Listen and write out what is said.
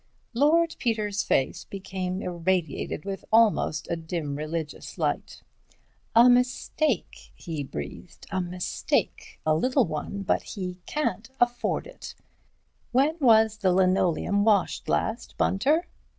Lord Peter's face became irradiated with almost a dim, religious light. "A mistake," he breathed, "a mistake, a little one, but he can't afford it. When was the linoleum washed last, Bunter?"